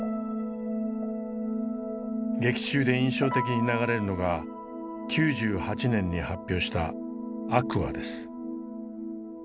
劇中で印象的に流れるのが９８年に発表した「ａｑｕａ」です。